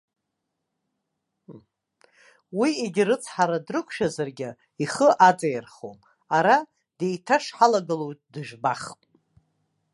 Уи иагьа рыцҳара дрықәшәазаргьы, ихы аҵаирхауам, ара деиҭашҳалагылоу дыжәбахп.